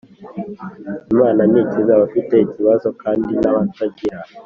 imana nikize abafite ikibazo kandi nabatagira